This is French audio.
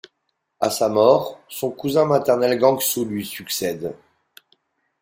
À sa mort, son cousin maternel Guangxu lui succède.